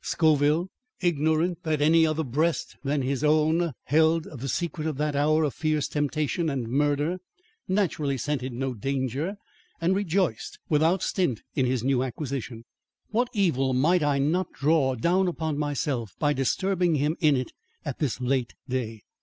Scoville, ignorant that any other breast than his own held the secret of that hour of fierce temptation and murder, naturally scented no danger and rejoiced without stint in his new acquisition. What evil might I not draw down upon myself by disturbing him in it at this late day.